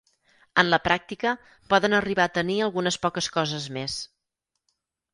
En la pràctica, poden arribar a tenir algunes poques coses més.